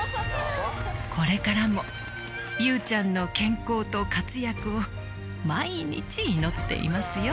「これからも勇ちゃんの健康と活躍を毎日祈っていますよ」